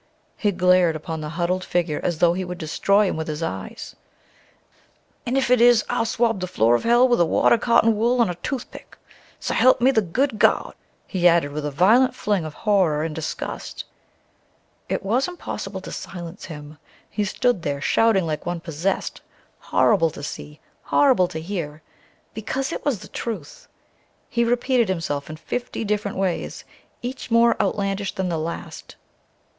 He glared upon the huddled figure as though he would destroy him with his eyes. "An' if it is I'll swab the floor of hell with a wad of cotton wool on a toothpick, s'help me the good Gawd!" he added, with a violent fling of horror and disgust. It was impossible to silence him. He stood there shouting like one possessed, horrible to see, horrible to hear because it was the truth. He repeated himself in fifty different ways, each more outlandish than the last.